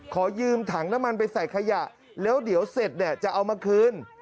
ขอยืมถังน้ำมันไปใส่ขยะแล้วเดี๋ยวเสร็จเนี่ยจะเอามาคืน